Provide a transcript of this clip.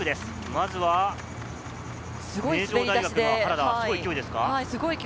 まずは、名城大学の原田、すごい勢いですか？